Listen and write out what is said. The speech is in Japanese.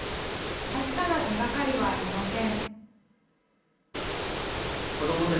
確かな手がかりはありません。